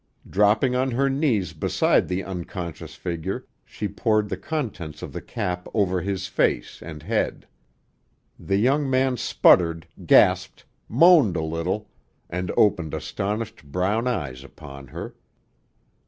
Dropping on her knees beside the unconscious figure, she poured the contents of the cap over his face and head. The young man sputtered, gasped, moaned a little, and opened astonished brown eyes upon her.